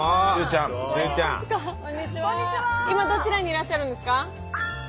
今どちらにいらっしゃるんですか？